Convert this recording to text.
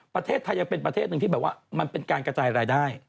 ประเทศไทยยังเป็นประเทศหนึ่งที่แบบว่ามันเป็นการกระจายรายได้